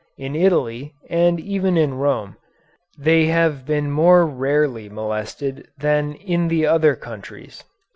In Italy, and even in Rome, they have been more rarely molested than in the other countries."